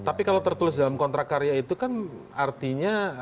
tapi kalau tertulis dalam kontrak karya itu kan artinya